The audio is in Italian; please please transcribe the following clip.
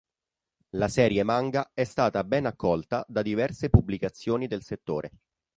La serie manga è stata ben accolta da diverse pubblicazioni del settore.